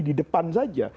di depan saja